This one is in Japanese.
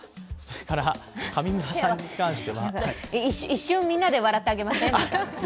一瞬、みんなで笑ってあげません？